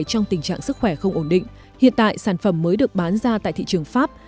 trong tình trạng sức khỏe không ổn định hiện tại sản phẩm mới được bán ra tại thị trường pháp